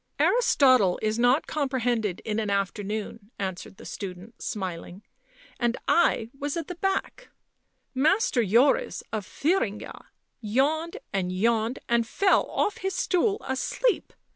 " Aristotle is not comprehended in an afternoon," answered the student, smiling. " And I was at the back — Master Joris of Thuringia yawned and yawned, and fell off his stool asleep